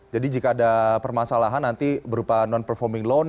jadi jika ada permasalahan nanti berupa non performing loan